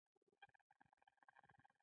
لمسولو بریالی شوی وو.